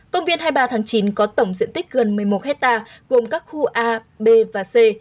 công viên hai mươi ba tháng chín có tổng diện tích gần một mươi một hectare gồm các khu a b và c